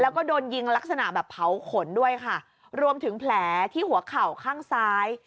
แล้วก็โดนยิงลักษณะแบบเผาขนด้วยค่ะรวมถึงแผลที่หัวเข่าข้างซ้าย